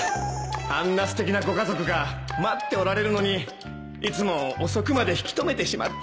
あんなすてきなご家族が待っておられるのにいつも遅くまで引き留めてしまって